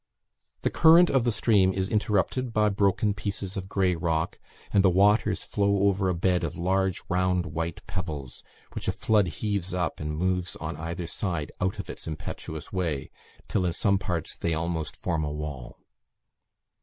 The current of the stream is interrupted by broken pieces of grey rock; and the waters flow over a bed of large round white pebbles, which a flood heaves up and moves on either side out of its impetuous way till in some parts they almost form a wall.